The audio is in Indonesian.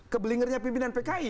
kebelingernya pimpinan pki